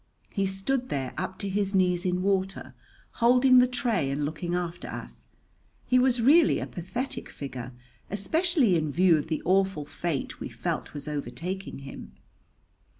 He stood there, up to his knees in water, holding the tray and looking after us. He was really a pathetic figure, especially in view of the awful fate we felt was overtaking him.